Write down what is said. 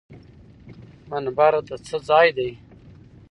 منبر د څه ځای دی؟